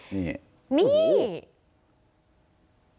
นี่เห็นไหมโอ้โหนี่เห็นไหมโอ้โห